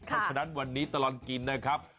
เพราะฉะนั้นวันนี้ตลอดกินนะครับ